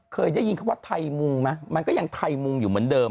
เคยได้ยินคำว่าไทยมุงไหมมันก็ยังไทยมุงอยู่เหมือนเดิม